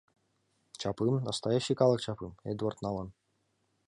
Чапым, настоящий калык чапым Эдвард налын.